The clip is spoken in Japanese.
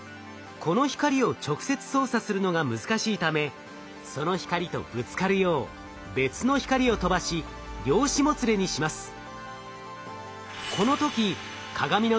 この光を直接操作するのが難しいためその光とぶつかるよう別の光を飛ばし量子もつれにします。